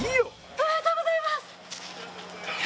おめでとうございます！